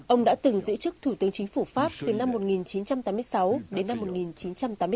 ông đã từng giữ chức thủ tướng chính phủ pháp từ năm một nghìn chín trăm tám mươi sáu đến năm một nghìn chín trăm tám mươi bốn